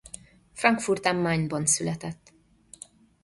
Frankfurt am Mainban született.